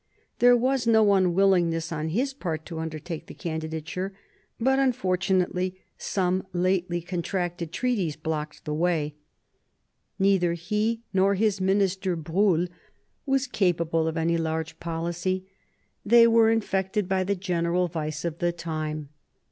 There was no unwillingness on his part to undertake the candidature, but unfortunately some lately contracted treaties blocked the way. Neither he nor his minister, Briihl, was capable of any large policy. # r t r 36 MARIA THERESA chap, ii They were infected by the general vice of the time.